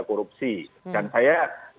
korupsi dan saya